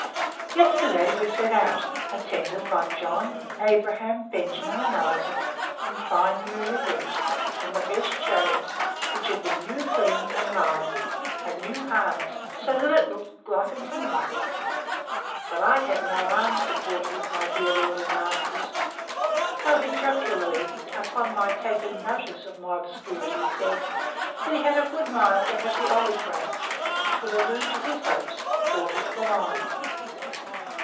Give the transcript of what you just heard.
Yesterday we set out, attended by John, Abraham, Benjamin, and Isaac, in fine new liveries, in the best chariot, which had been new cleaned, and lined, and new harnessed; so that it looked like a quite new one. But I had no arms to quarter with my dear lord and master's; though he jocularly, upon my taking notice of my obscurity, said, that he had a good mind to have the olive branch, which would allude to his hopes, quartered for mine.